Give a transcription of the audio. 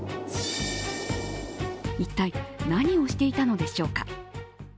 一体何をしていたのでしょうか。